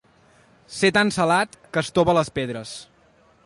Ser tan salat que estova les pedres.